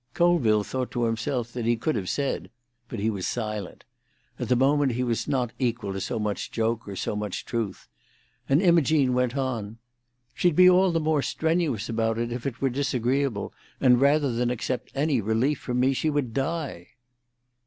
Colville thought to himself that he could have said; but he was silent. At the moment he was not equal to so much joke or so much truth; and Imogene went on— "She'd be all the more strenuous about it if it were disagreeable, and rather than accept any relief from me she would die."